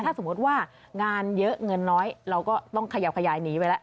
ถ้าสมมุติว่างานเยอะเงินน้อยเราก็ต้องขยับขยายหนีไปแล้ว